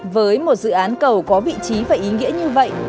với một dự án cầu có vị trí và ý nghĩa như vậy